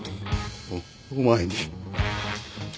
おお前に。